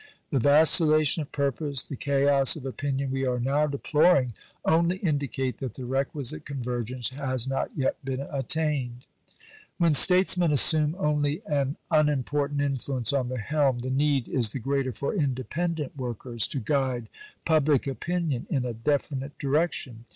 The vacillation of purpose, the chaos of opinion we are now deploring, only indicate that the requisite convergence has not yet been attained." India Office Memorandum, April 26, 1875. When statesmen assume only an unimportant influence on the helm, the need is the greater for independent workers to guide public opinion in a definite direction.